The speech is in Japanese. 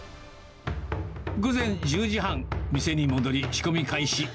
午前１０時半、店に戻り仕込み開始。